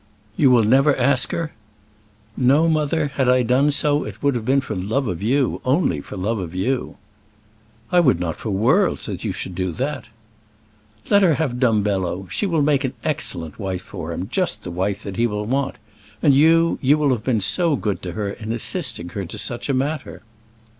"You will never ask her?" "No, mother; had I done so, it would have been for love of you only for love of you." "I would not for worlds that you should do that." "Let her have Dumbello; she will make an excellent wife for him, just the wife that he will want. And you, you will have been so good to her in assisting her to such a matter."